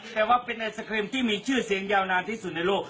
แต่ว่าเป็นไอศครีมที่มีชื่อเสียงยาวนานที่สุดในโลก